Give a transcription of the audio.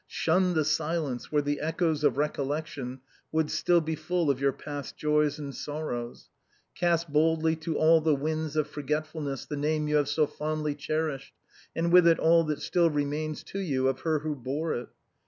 Shun the silence where the echoes of recollection would still be full of your past joys and sorrows. Cast boldly to all the winds of forgetfulness the name you have so fondly cher ished, and with it all that still remains to you of her who bore it.